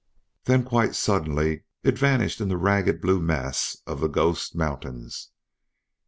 Then quite suddenly it vanished in the ragged blue mass of the Ghost Mountains.